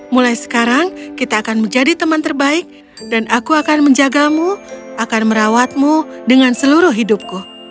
mulai sekarang kita akan menjadi teman terbaik dan aku akan menjagamu akan merawatmu dengan seluruh hidupku